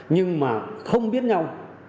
nhưng mà không biết nhau